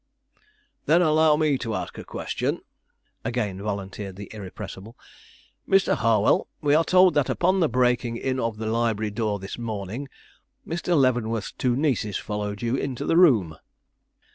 "Then allow me to ask a question," again volunteered the irrepressible. "Mr. Harwell, we are told that upon the breaking in of the library door this morning, Mr. Leavenworth's two nieces followed you into the room."